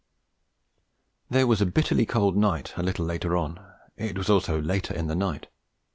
There was a bitterly cold night a little later on; it was also later in the night.